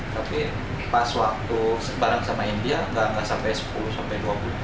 tapi pas waktu sebarang sama india nggak sampai sepuluh sampai dua puluh